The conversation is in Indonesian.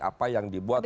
apa yang dibuat oleh